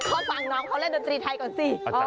ก็ฟังน้องเขาเล่นดนตรีไทยก่อนสิ